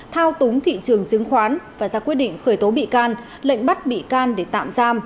thao túng thị trường chứng khoán và ra quyết định khởi tố bị can lệnh bắt bị can để tạm giam